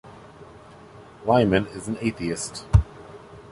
Liman is an atheist.